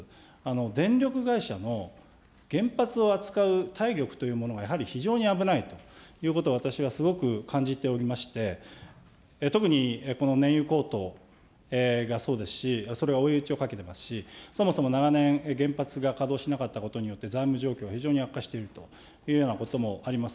電力会社の原発を扱う体力というものがやはり非常に危ないということを、私はすごく感じておりまして、特に、この燃油高騰がそうですし、それが追い打ちをかけてますし、そもそも長年、原発が稼働しなかったことによって、財務状況、非常に悪化しているというようなこともあります。